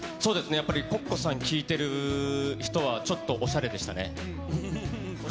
やっぱりＣｏｃｃｏさん聴いてる人は、ちょっとおしゃれでしたね。